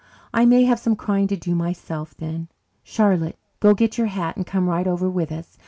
I may have some crying to do myself then. Charlotte, go and get your hat and come right over with us.